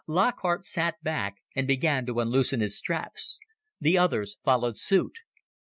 Lockhart sat back and began to unloosen his straps. The others followed suit.